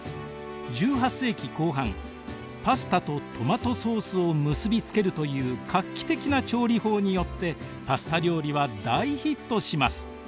１８世紀後半パスタとトマトソースを結び付けるという画期的な調理法によってパスタ料理は大ヒットします。